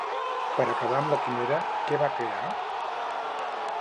Per acabar amb la Químera, què va crear?